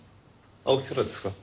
青木からですか？